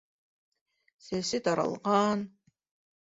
Сәсе таралған.